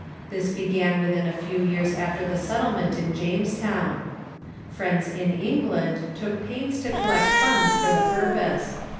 This began with wiiiiam in a few years after the settlement in Jamestown, ary Fi ieiifis in England took pains to collect funds for the purpose.